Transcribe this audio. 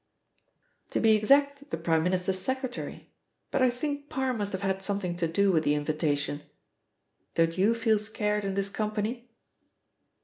"To be exact, the Prime Minister's secretary. But I think Parr must have had something to do with the invitation. Don't you feel scared in this company?"